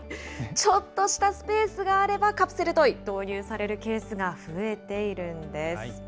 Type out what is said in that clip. ちょっとしたスペースがあれば、カプセルトイ、導入されるケースが増えているんです。